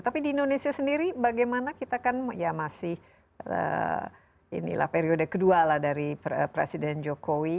tapi di indonesia sendiri bagaimana kita kan ya masih periode kedua lah dari presiden jokowi